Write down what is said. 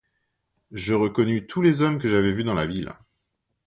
Je reconnus tous les hommes que j'avais vus dans la ville.